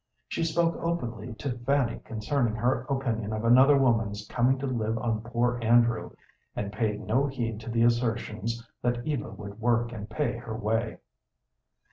She spoke openly to Fanny concerning her opinion of another woman's coming to live on poor Andrew, and paid no heed to the assertions that Eva would work and pay her way.